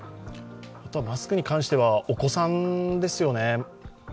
マスクに関してはお子さんですよね。